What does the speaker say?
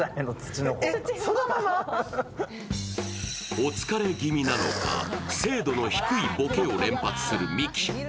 お疲れ気味なのか、精度の低いボケを連発するミキ。